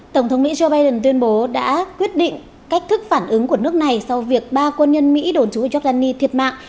tổng thống mỹ joe biden tuyên bố đã quyết định cách thức phản ứng của nước này sau việc ba quân nhân mỹ đồn trú ở giordani thiệt mạng